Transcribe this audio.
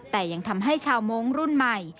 แต่ยังทำให้ชาวโม้งรุ่นใหม่